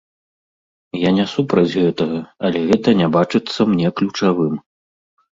Я не супраць гэтага, але гэта не бачыцца мне ключавым.